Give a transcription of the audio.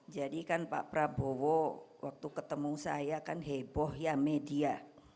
jadi kan pak prabowo waktu ketemu saya kan heboh ya media